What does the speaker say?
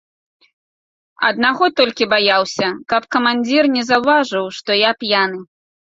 Аднаго толькі баяўся, каб камандзір не заўважыў, што я п'яны.